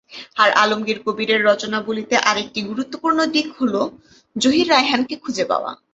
আর আলমগীর কবিরের রচনাবলিতে আরেকটি গুরুত্বপূর্ণ দিক হলো জহির রায়হানকে খুঁজে পাওয়া।